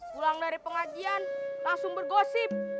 pulang dari pengajian langsung bergosip